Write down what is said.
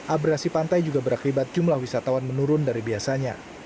abrasi pantai juga berakibat jumlah wisatawan menurun dari biasanya